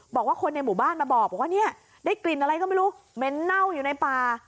บอกว่าคนในหมู่บ้านมาบอกว่าเนี่ยได้กลิ่นอะไรก็ไม่รู้เหม็นเน่าอยู่ในป่า